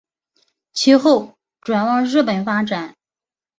其后转往日本发展。